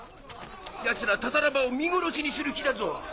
奴らタタラ場を見殺しにする気だぞ。